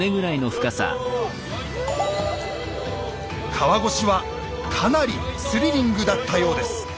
川越はかなりスリリングだったようです。